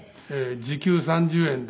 時給３０円です。